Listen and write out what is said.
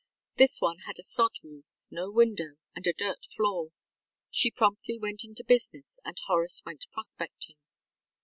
This one had a sod roof, no window, and a dirt floor. She promptly went into business and Horace went prospecting.